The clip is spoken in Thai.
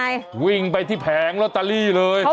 ได้แล้ววิ่งไปที่แผงลอตารี่เลยยังไง